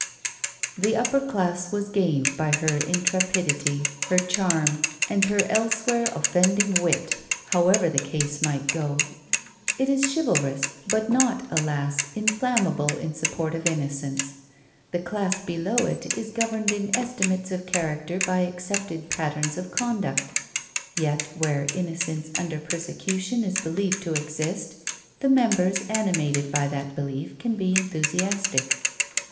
The upper class was gained by her intrepidity, her charm, and her elsewhere offending wit, however the case might go. It is chivalrous, but not, alas, inflammable in support of innocence. The class below it is governed in estimates of character by accepted patterns of conduct; yet where innocence under persecution is believed to exist, the members animated by that belief can be enthusiastic.